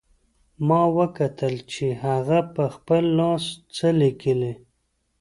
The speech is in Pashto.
ما وکتل چې هغه په خپل لاس څه لیکي